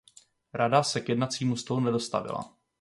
Rada se k jednacímu stolu nedostavila.